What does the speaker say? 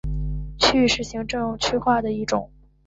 区域是行政区划的一种。